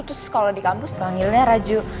terus kalau di kampus manggilnya raju